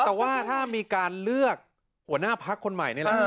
แต่ว่าถ้ามีการเลือกหัวหน้าพักคนใหม่นี่แหละ